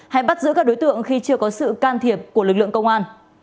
hay bắt giữ các đối tượng khi chưa có sự can thiệp của lực lượng công an